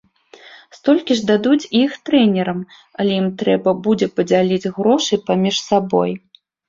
Столькі ж дадуць і іх трэнерам, але ім трэба будзе падзяліць грошы паміж сабой.